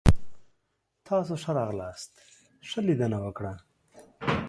تاسو ښه راغلاست. ښه لیدنه وکړه!